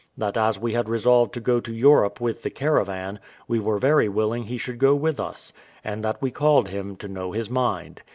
That as we had resolved to go to Europe with the caravan, we were very willing he should go with us; and that we called him to know his mind.